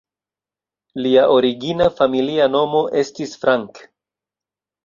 Lia origina familia nomo estis "Frank".